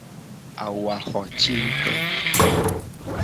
Awu a xo ci nguto.